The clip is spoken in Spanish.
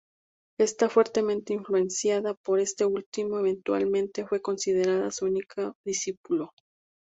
Está fuertemente influenciada por este último y eventualmente fue considerada su única discípulo.